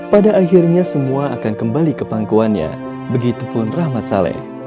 pada akhirnya semua akan kembali ke pangkuannya begitupun rahmat saleh